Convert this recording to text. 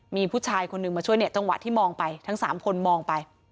มีผู้ชายคนหนึ่งมาช่วยเนี่ยจังหวะที่มองไปทั้ง๓คนมองไป